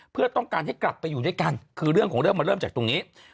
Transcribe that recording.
เพื่อต้องการให้กลับไปอยู่ด้วยกันคือเรื่องของเรื่องมันเริ่มจากตรงนี้